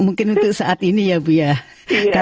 mungkin untuk saat ini ya bu ya